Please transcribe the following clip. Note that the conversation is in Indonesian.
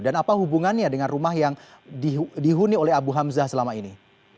dan apa hubungannya dengan rumah yang dihuni oleh abu hamzah selama ini